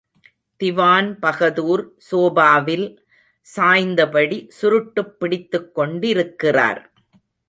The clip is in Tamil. திவான்பகதூர் சோபாவில் சாய்ந்தபடி சுருட்டுப் பிடித்துக்கொண்டிருக்கிறார்.